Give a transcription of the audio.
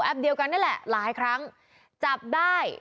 เดียวกันนี่แหละหลายครั้งจับได้